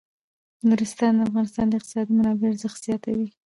نورستان د افغانستان د اقتصادي منابعو ارزښت زیاتوي.